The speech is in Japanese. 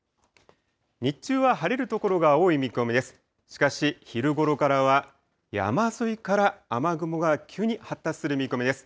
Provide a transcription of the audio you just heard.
日中は晴れる所が多い見込みです。